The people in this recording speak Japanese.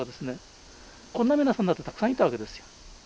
こんな皆さんだってたくさんいたわけですよ。